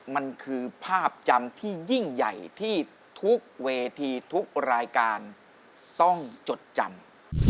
มันคือภาพจำที่ยิ่งใหญ่ที่ทุกเวทีทุกรายการต้องจดจำ